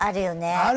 ある！